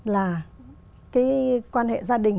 là cái quan hệ gia đình